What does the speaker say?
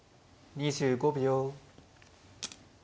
２５秒。